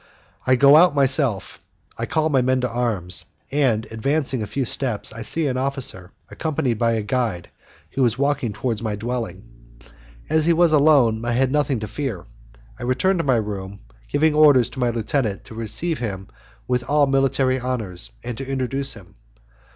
I go out myself, I call my men to arms, and, advancing a few steps, I see an officer, accompanied by a guide, who was walking towards my dwelling. As he was alone, I had nothing to fear. I return to my room, giving orders to my lieutenant to receive him with all military honours and to introduce him.